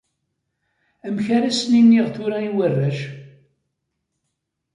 Amek ara sen-iniɣ tura i warrac?